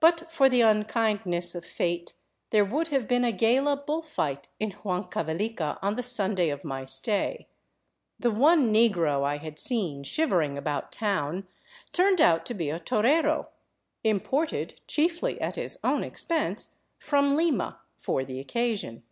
But for the unkindness of fate there would have been a gala bull fight in Huancavelica on the Sunday of my stay. The one negro I had seen shivering about town turned out to be a torero, imported — chiefly at his own expense — from Lima for the occasion.